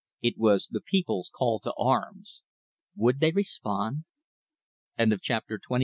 It was the people's call to arms. Would they respond? CHAPTER XXVII.